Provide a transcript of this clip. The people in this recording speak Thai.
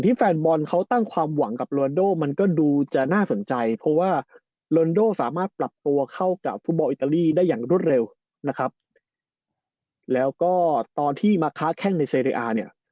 ได้อย่างรวดเร็วนะครับแล้วก็ตอนที่มาค้าแข้งในเซรีอาร์เนี่ย